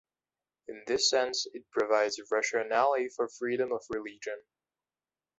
In this sense, it provides a rationale for freedom of religion.